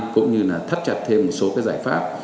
cũng như thắt chặt thêm một số giải pháp